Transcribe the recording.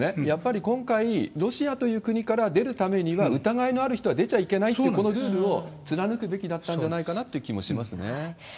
やっぱり今回、ロシアという国から出るためには疑いのある人は出ちゃいけないって、このルールを貫くべきだったんじゃないかなって気もしますね。